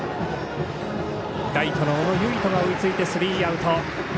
ライトの小野唯斗がさばいてスリーアウト。